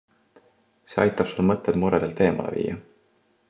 See aitab sul mõtted muredelt eemale viia.